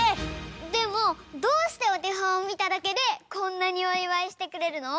でもどうしておてほんをみただけでこんなにおいわいしてくれるの？